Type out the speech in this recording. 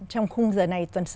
trong khung giờ này tuần sau